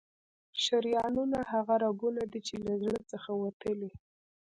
شریانونه هغه رګونه دي چې له زړه څخه وتلي.